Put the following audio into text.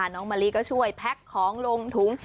น้องมะลิก็ช่วยแพ็คของลงถุง